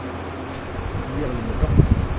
Lliɣ lemmdeɣ.